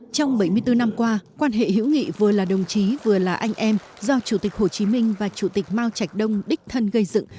trong bảy mươi bốn năm qua quan hệ hữu nghị vừa là đồng chí vừa là anh em do chủ tịch hồ chí minh và chủ tịch mao trạch đông đích thân gây dựng